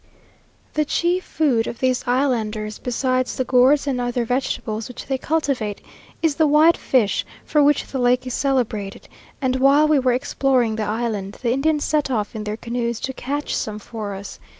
The chief food of these islanders, besides the gourds and other vegetables which they cultivate, is the white fish, for which the lake is celebrated; and while we were exploring the island, the Indians set off in their canoes to catch some for us.